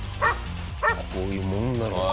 こういうもんなのか。